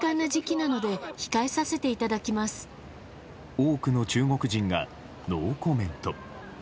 多くの中国人がノーコメント。